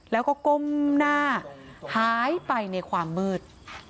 แล้วก็ก้มหน้าหายไปในความมืด